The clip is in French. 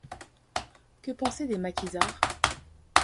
Que penser des maquisards?